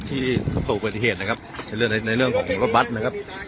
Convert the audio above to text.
ที่สรุปประเทศนะครับในเรื่องในเรื่องของรถบัตรนะครับ